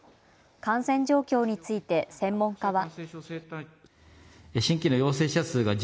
感染状況について専門家は。